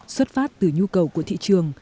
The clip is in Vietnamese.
xuất phát từ nhu cầu của thị trường